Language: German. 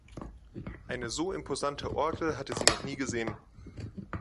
Eine so imposante Orgel hatte sie noch nie gesehen.